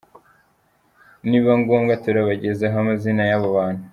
Nibiba ngombwa turabagezaho amazina yabo bantu.